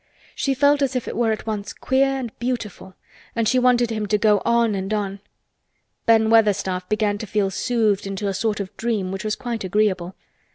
She felt as if it were at once queer and beautiful and she wanted him to go on and on. Ben Weatherstaff began to feel soothed into a sort of dream which was quite agreeable.